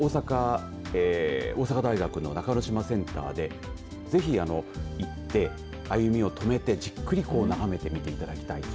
大阪大学の中之島センターでぜひ行って、歩みを止めてじっくり眺めて見ていただきたい。